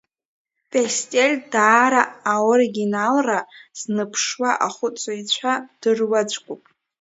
Пестель даара аоригиналра зныԥшуа ахәыцыҩцәа дыруаӡәкуп.